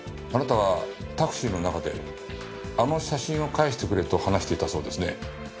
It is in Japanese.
あなたはタクシーの中で「あの写真を返してくれ」と話していたそうですね。